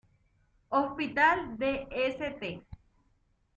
Hospital de St.